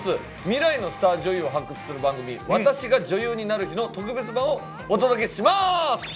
未来のスター女優を発掘する番組「私が女優になる日」の特別版をお届けします